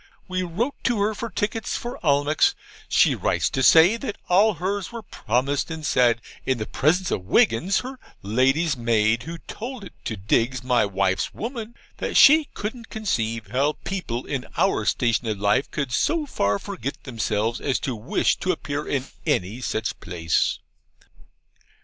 We wrote to her for tickets for Almack's; she writes to say that all hers were promised; and said, in the presence of Wiggins, her lady's maid, who told it to Diggs, my wife's woman, that she couldn't conceive how people in our station of life could so far forget themselves as to wish to appear in any such place!